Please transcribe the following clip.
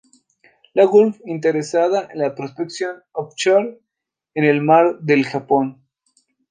La Gulf, interesada en la prospección offshore en el Mar del Japón.